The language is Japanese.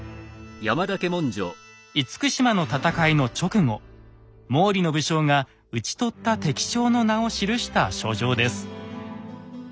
厳島の戦いの直後毛利の武将が討ち取った敵将の名を記した書状です。